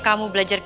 kamu belajar kisah